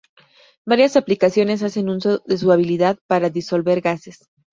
Varias aplicaciones hacen uso de su habilidad para disolver gases.